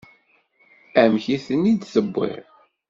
Amek i tent-id-tewwiḍ?